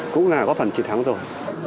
cũng là có phần chiến thắng rồi